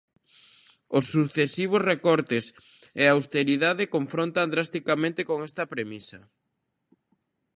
Os sucesivos recortes e a austeridade confrontan drasticamente con esta premisa.